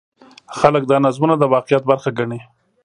خلک دا نظمونه د واقعیت برخه ګڼي.